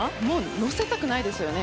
乗せたくないですよね。